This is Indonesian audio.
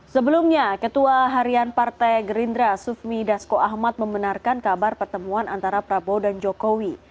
sebelumnya ketua harian partai gerindra sufmi dasko ahmad membenarkan kabar pertemuan antara prabowo dan jokowi